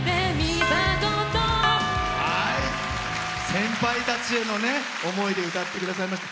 先輩たちへの思いを歌ってくださいました。